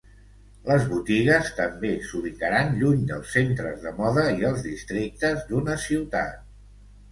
Les botigues també s'ubicaran lluny dels centres de moda i els districtes d'una ciutat.